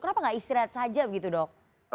kenapa nggak istirahat saja begitu dok